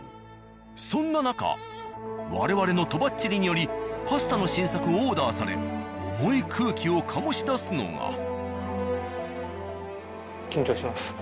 そんな中我々のとばっちりによりパスタの新作をオーダーされ重い空気を醸し出すのが。